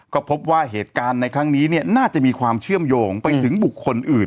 ก็พบว่าเหตุการณ์ในครั้งนี้น่าจะมีความเชื่อมโยงไปถึงบุคคลอื่น